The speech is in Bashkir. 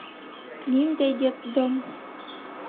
Ниндәй детдом?